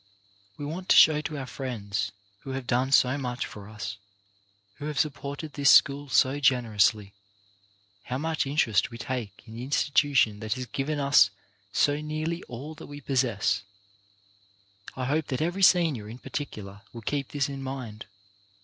We want to show to our friends who have done so much for us, who have supported this school so generously, how much interest we take in the institution that has given us so nearly all that we possess. I hope that every senior, in particular, will keep this in mind.